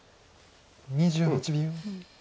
２８秒。